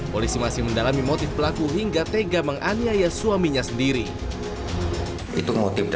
polisi masih mendalami motif pelaku hingga tega menganiaya suaminya sendiri